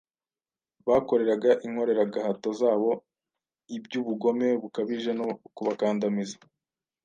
bakoreraga inkoreragahato zabo iby’ubugome bukabije no kubakandamiza.